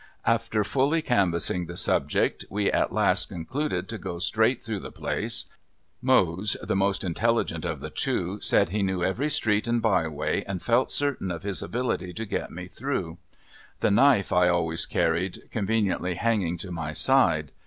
After fully canvassing the subject we at last concluded to go straight through the place. Mose, the most intelligent of the two, said he knew every street and by way, and felt certain of his ability to get me through. The knife I always carried conveniently hanging to my side.